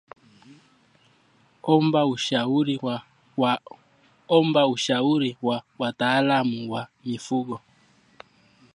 Omba ushauri wa wataalamu wa mifugo